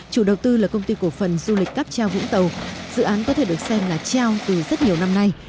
chủ đầu tư là công ty cổ phần du lịch cáp treo vũng tàu dự án có thể được xem là treo từ rất nhiều năm nay